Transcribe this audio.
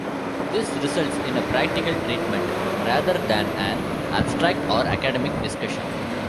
This results in a practical treatment rather than an abstract or academic discussion.